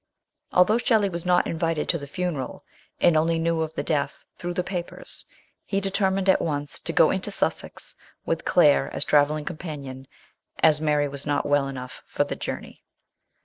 Although Shelley was not invited to the funeral, and only knew of the death through the papers, he determined at once to go into Sussex, with Claire as travelling companion, as Mary was not well enough for the journey.